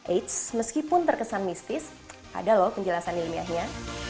eits meskipun terkesan mistis ada loh penjelasan ilmiahnya